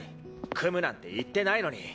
組むなんて言ってないのに。